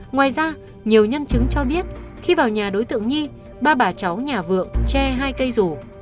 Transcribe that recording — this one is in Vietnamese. ngoài ra nhiều nhân chứng cho biết khi vào nhà đối tượng nhi ba bà cháu nhà vượng che hai cây rổ